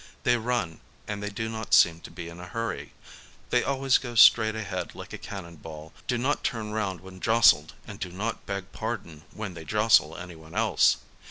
They run and they do not seem to be in a hurry; they always go straight ahead like a cannon ball, do not turn round when jostled and do not beg pardon when they jostle anyone else.